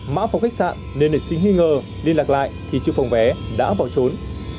mã phòng khách sạn nên để xin nghi ngờ liên lạc lại thì chụp phòng vé đã bỏ trốn